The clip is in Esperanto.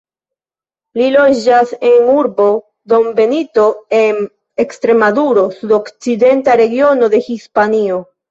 Li loĝas en urbo Don Benito en Ekstremaduro, sudokcidenta regiono de Hispanio.